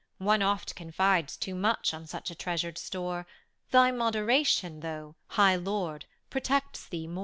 One oft confides too much on such a treasured store : Thy moderation, though. High Lord, protects thee more.